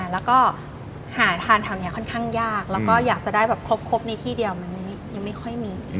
แล้วก็หาทานแถวนี้ค่อนข้างยากแล้วก็อยากจะได้แบบครบในที่เดียวมันยังไม่ค่อยมี